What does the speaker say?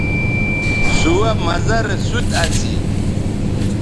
سوہ مزہ رے سوت اسی